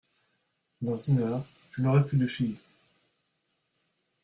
Dans une heure, je n’aurai plus de fille !